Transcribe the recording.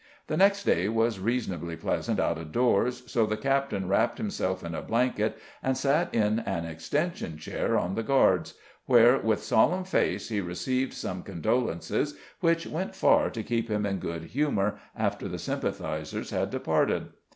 The next day was reasonably pleasant out of doors, so the captain wrapped himself in a blanket and sat in an extension chair on the guards, where with solemn face he received some condolences which went far to keep him in good humor after the sympathizers had departed.